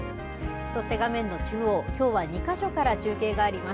そして画面の中央、きょうは２か所から中継があります。